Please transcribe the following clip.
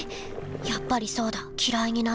やっぱりそうだきらいになったんだ。